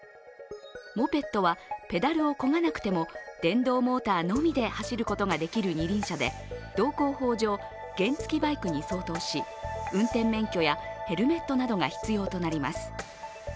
モペットはペダルをこがなくても電動モーターのみで走ることができる二輪車で道交法上、原付きバイクに相当し、運転免許やヘルメットなどが必要となります。